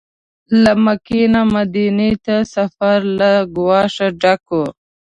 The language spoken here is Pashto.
له مکې نه مدینې ته سفر له ګواښه ډک و.